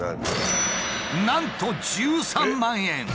なんと１３万円！